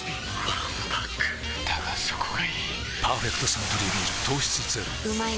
わんぱくだがそこがいい「パーフェクトサントリービール糖質ゼロ」いらっしゃいませ！